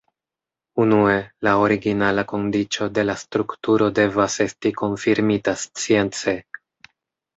Unue, la originala kondiĉo de la strukturo devas esti konfirmita science.